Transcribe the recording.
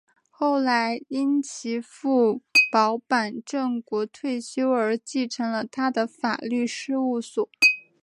后来因其父保坂正国退休而承继了他的法律事务所。